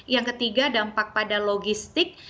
yang ketiga dampak pada logistik